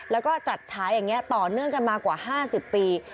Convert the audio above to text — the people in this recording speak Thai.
แล้วก็จัดฉายอย่างนี้ต่อเนื่องกันมากว่า๕๐ปี